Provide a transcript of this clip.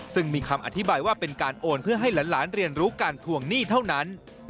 ซึ่งมีคำอธิบายว่าเป็นการโอนเพื่อให้หลานเรียนรู้การทวงหนี้เท่านั้น